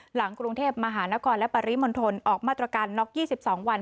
หลังกรุงเทพมหานครและปริมณฑลออกมาตรการน็อก๒๒วัน